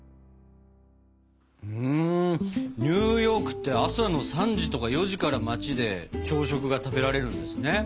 うんニューヨークって朝の３時とか４時から街で朝食が食べられるんですね。